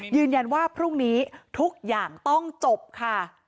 ยืนยันว่าพรุ่งนี้ทุกอย่างต้องจบค่ะ